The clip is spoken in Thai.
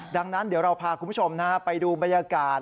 ดังนั้นเดี๋ยวเราพาคุณผู้ชมไปดูบรรยากาศ